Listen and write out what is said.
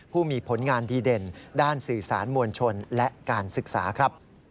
ผู้มีผลงานดีเด่นด้านสื่อสารมวลชนและการศึกษาครับ